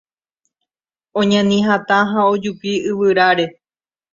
Oñani hatã ha ojupi yvyráre